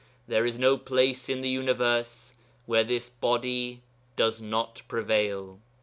There is no place in the universe where this Body does not prevail.